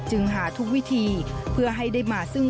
หาทุกวิธีเพื่อให้ได้มาซึ่ง